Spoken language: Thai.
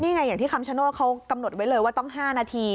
นี่ไงอย่างที่คำชโนธเขากำหนดไว้เลยว่าต้อง๕นาที